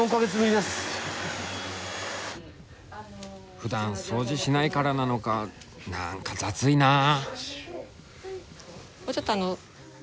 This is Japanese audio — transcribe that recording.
ふだん掃除しないからなのか何か雑いなあ。